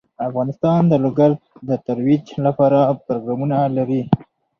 افغانستان د لوگر د ترویج لپاره پروګرامونه لري.